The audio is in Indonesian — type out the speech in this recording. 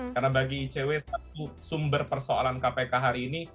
karena bagi icw satu sumber persoalan kpk hari ini